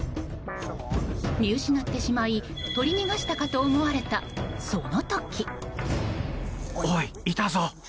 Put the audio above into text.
見失ってしまい取り逃したかと思われたその時。